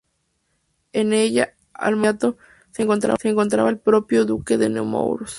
En ella, al mando inmediato, se encontraba el propio duque de Nemours.